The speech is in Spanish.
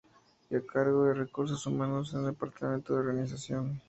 Y a cargo de Recursos Humanos en el Departamento de Organización.